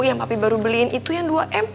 yang papi baru beliin itu yang dua m